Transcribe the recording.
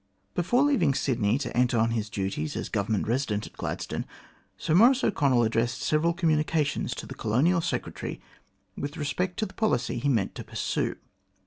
Before leaving Sydney to enter on his duties as Govern ment Eesident at Gladstone, Sir Maurice O'Connell addressed several communications to the Colonial Secretary with respect to the policy he meant to pursue.